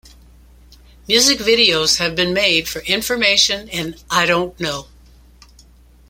Music videos have been made for "Information" and "I Don't Know".